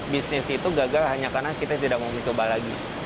bisnis itu gagal hanya karena kita tidak mau mencoba lagi